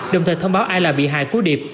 đồng thời thông báo ai là bị hại của điệp